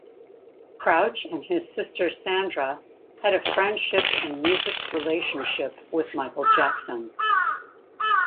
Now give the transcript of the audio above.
Crouch and his sister Sandra had a friendship and music relationship with Michael Jackson.